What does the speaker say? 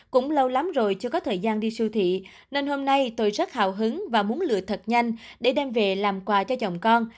cũng lâu lắm rồi chưa có thời gian đi siêu thị nên hôm nay tôi rất hào hứng và muốn lựa thật nhanh để đem về làm quà cho chồng con